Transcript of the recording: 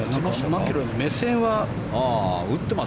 マキロイの目線は。